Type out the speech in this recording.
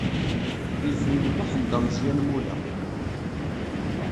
Lfen n Muḥend Ameẓyan Mula.